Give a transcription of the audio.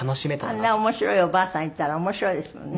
あんな面白いおばあさんいたら面白いですもんね。